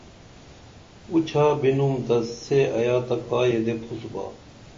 اُچھا بِنُم تس سے ایا تہ کا یدے پُھس با